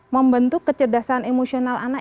membentuk kecerdasan emosional anak